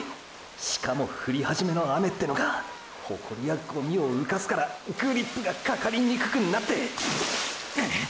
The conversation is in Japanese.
しかも降り始めの雨ってのがホコリやゴミを浮かすからグリップがかかりにくくなってくっ！！